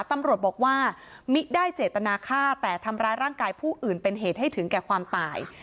ตำรวจบอกว่ามิได้เจตนาฆ่าแต่ทำร้ายร่างกายผู้อื่นเป็นเหตุให้ถึงแก่ความตาย